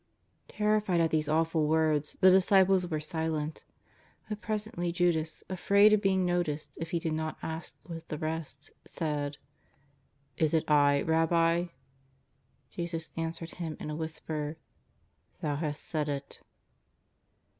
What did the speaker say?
'' Terrified at these awful words, the disciples were silent. But presently Judas, afraid of being noticed if he did not ask with the rest, said :" Is it I, Rabbi ?" Jesus answered him in a whisper :" Thou hast said it."